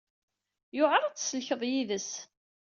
Yewɛeṛ ad tt-tsellkeḍ yid-s.